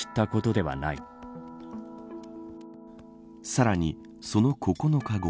さらに、その９日後。